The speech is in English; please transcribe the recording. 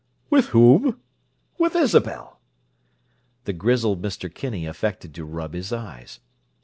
"With whom?" "With Isabel!" The grizzled Mr. Kinney affected to rub his eyes.